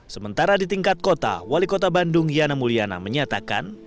sementara di tingkat kota wali kota bandung yana mulyana menyatakan